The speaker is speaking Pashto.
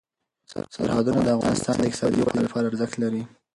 سرحدونه د افغانستان د اقتصادي ودې لپاره ارزښت لري.